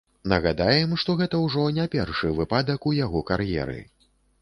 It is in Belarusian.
Нагадаем, што гэта ўжо не першы выпадак у яго кар'еры.